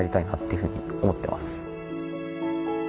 いうふうに思ってます。